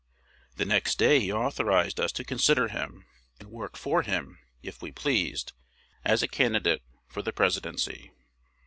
The next day he authorized us to consider him, and work for him, if we pleased, as a candidate for the Presidency."